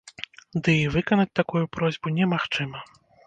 Ды і выканаць такую просьбу немагчыма.